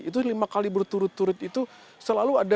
itu lima kali berturut turut itu selalu ada